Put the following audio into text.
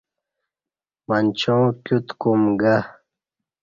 منچیوں کیوت کوم گہ